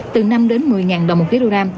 từ năm đến một mươi ngàn đồng một kg